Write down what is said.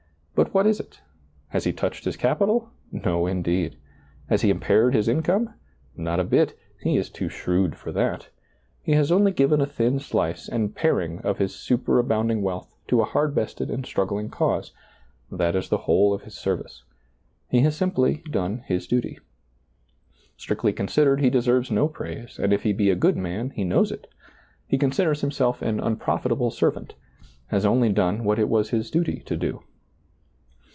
But what is it ? Has he touched his capital ? No, indeed. Has he impaired his income ? Not a bit; he is too shrewd for that. He has only given a thin slice and paring of his superabound ^lailizccbvGoOgle 6o SEEING DARKLY ing wealth to a hard bested and struggling cause ; that is the whole of his service. He has simply done his duty. Strictly considered, he deserves no praise, and if he be a good man he knows it ; he considers himself an unprofitable servant; has only done what it was his duty to do.